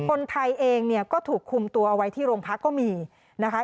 คนไทยเองเนี่ยก็ถูกคุมตัวเอาไว้ที่โรงพักก็มีนะคะ